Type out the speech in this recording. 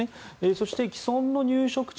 そして既存の入植地